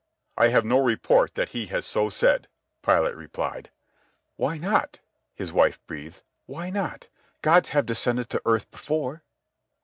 "I have no report that he has so said," Pilate replied. "Why not?" his wife breathed. "Why not? Gods have descended to earth before."